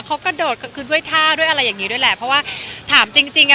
เขากระโดดกลางคืนด้วยท่าด้วยอะไรอย่างงี้ด้วยแหละเพราะว่าถามจริงจริงอ่ะ